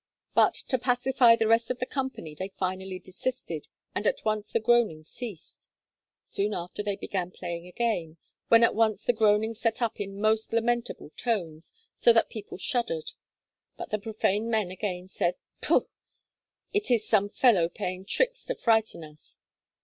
But to pacify the rest of the company they finally desisted, and at once the groaning ceased. Soon after they began playing again, when at once the groaning set up in most lamentable tones, so that people shuddered; but the profane men again said, 'Pw! it is some fellow playing tricks to frighten us.'